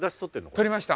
取りました。